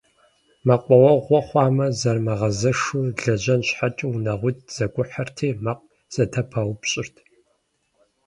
Мэкъуауэгъуэ хъуамэ, зэрымыгъэзэшу лэжьэн щхьэкӀэ унагъуитӀу зэгухьэрти, мэкъу зэдыпаупщӀырт.